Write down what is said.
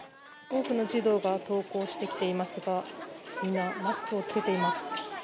多くの児童が登校してきていますが、みんなマスクを着けています。